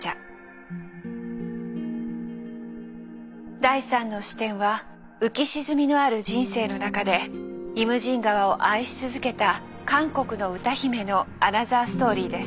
第３の視点は浮き沈みのある人生の中で「イムジン河」を愛し続けた韓国の歌姫のアナザーストーリーです。